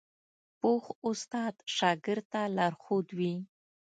پوخ استاد شاګرد ته لارښود وي